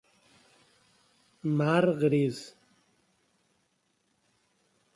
Mar gris.